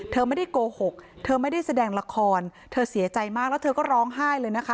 เธอไม่ได้โกหกเธอไม่ได้แสดงละครเธอเสียใจมากแล้วเธอก็ร้องไห้เลยนะคะ